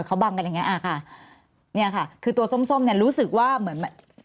เขาบังกันอย่างเงี้อ่าค่ะเนี่ยค่ะคือตัวส้มส้มเนี่ยรู้สึกว่าเหมือน